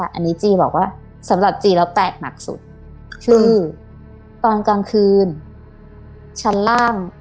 อันนี้จีบอกว่าสำหรับจีนแล้วแตกหนักสุดคือตอนกลางคืนชั้นล่าง